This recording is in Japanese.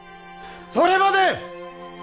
それまで！